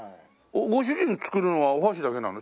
ご主人作るのはお箸だけなの？